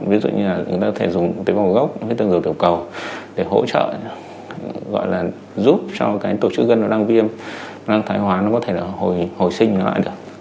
ví dụ như là chúng ta có thể dùng tế bào gốc tế bào đầu cầu để hỗ trợ gọi là giúp cho cái tổ chức gân nó đang viêm đang thái hóa nó có thể là hồi sinh nó lại được